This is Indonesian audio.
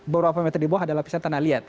beberapa meter di bawah adalah lapisan tanah liat